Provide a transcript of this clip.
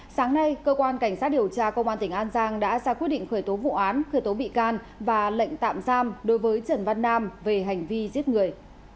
sáng nay cơ quan cảnh sát điều tra công an tỉnh an giang đã ra quyết định khởi tố vụ án khởi tố bị can và lệnh tạm giam đối với trần văn nam về hành vi giết người